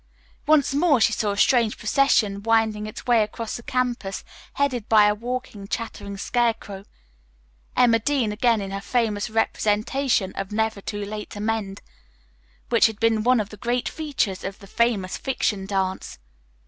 Once more she saw a strange procession winding its way across the campus headed by a walking, chattering scarecrow, Emma Dean again in her famous representation of "Never Too Late to Mend," which had been one of the great features of the Famous Fiction dance.